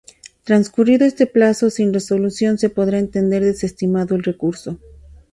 Transcurrido este plazo sin resolución se podrá entender desestimado el recurso.